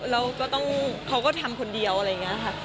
แล้วก็ต้องเขาก็ทำคนเดียวอะไรอย่างนี้ค่ะ